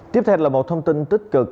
tiếp theo là một thông tin tích cực